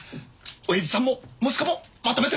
おやじさんも息子もまとめてさ。